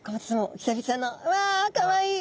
久々のうわかわいい。